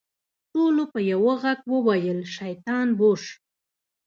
ټولو په يوه ږغ وويل شيطان بوش.